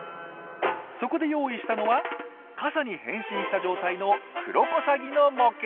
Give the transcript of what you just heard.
そこで用意したのは傘に変身した状態のクロコサギの模型！